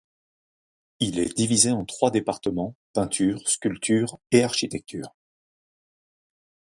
Il est divisé en trois départements: peinture, sculpture et architecture.